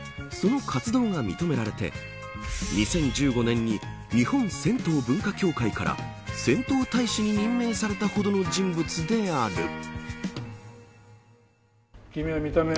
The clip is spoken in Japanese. その活動が認められて２０１５年に日本銭湯文化協会から銭湯大使に任命されたほどの人物である。